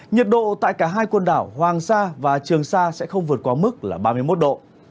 nhiệt độ tại cả hai quần đảo hoàng sa và trường sa sẽ không vượt qua mức là ba mươi một độ